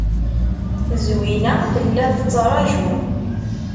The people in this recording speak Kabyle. Zwina tella tettṛaju.